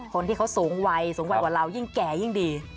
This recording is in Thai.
คนที่เขาสูงวัยสูงวัยกว่าเรายิ่งแก่ยิ่งดี